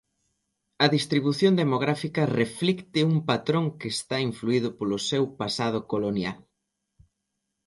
A distribución demográfica reflicte un patrón que está influído polo seu pasado colonial.